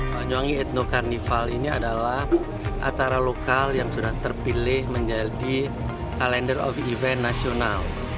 banyuwangi ethno carnival ini adalah acara lokal yang sudah terpilih menjadi kalender of event nasional